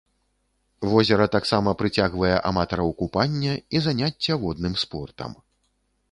Возера таксама прыцягвае аматараў купання і заняцця водным спортам.